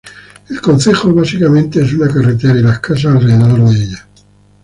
El concejo básicamente es una carretera y las casas alrededor de ella.